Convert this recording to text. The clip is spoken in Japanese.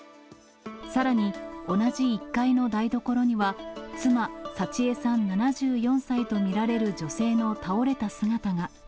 さらに、同じ１階の台所には、妻、幸枝さん７４歳と見られる女性の倒れた姿が。